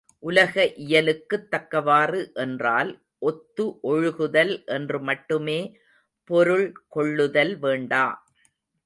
உலக இயலுக்குத் தக்கவாறு என்றால் ஒத்து ஒழுகுதல் என்று மட்டுமே பொருள் கொள்ளுதல் வேண்டா.